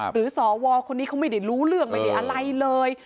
สวคนนี้เขาไม่ได้รู้เรื่องไม่ได้อะไรเลย